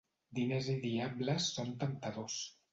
Diners i diables són temptadors.